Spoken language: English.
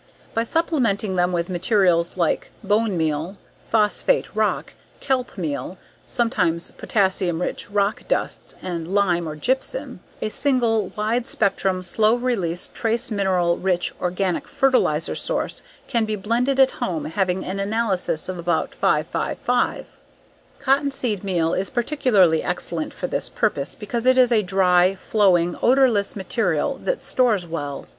By supplementing them with materials like bone meal, phosphate rock, kelp meal, sometimes potassium rich rock dusts and lime or gypsum, a single, wide spectrum slow release trace mineral rich organic fertilizer source can be blended at home having an analysis of about 5 5 5. Cottonseed meal is particularly excellent for this purpose because it is a dry, flowing, odorless material that stores well.